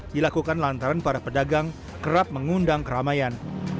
dilakukan lantaran para pedagang kerap mengundang keramaian